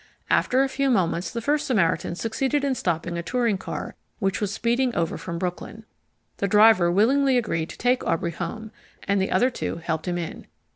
After a few moments the first Samaritan succeeded in stopping a touring car which was speeding over from Brooklyn. The driver willingly agreed to take Aubrey home, and the other two helped him in.